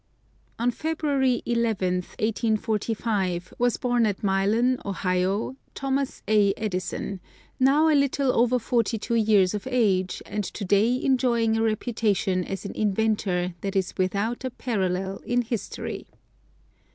On February 11th, 1845, was born at Milan, Ohio, Thomas A. Edison, now a little over 42 years of age, and to day enjoying a reputation as an inventor that is without a parallel in history.